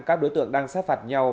các đối tượng đang sát phạt nhau